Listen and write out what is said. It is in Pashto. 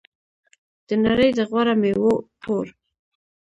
د نړۍ د غوره میوو کور.